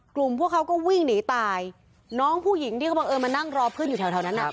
พวกเขาก็วิ่งหนีตายน้องผู้หญิงที่เขาบังเอิญมานั่งรอเพื่อนอยู่แถวนั้นอ่ะ